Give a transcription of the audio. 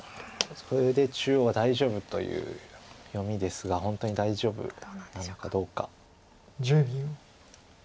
これで中央は大丈夫という読みですが本当に大丈夫なのかどうか。